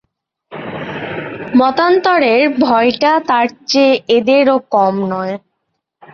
মতান্তরের ভয়টা তার চেয়ে ওঁদেরও কম নয়।